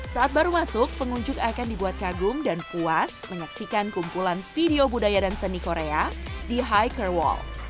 saat baru masuk pengunjuk akan dibuat kagum dan puas menyaksikan kumpulan video budaya dan seni korea di hiker wall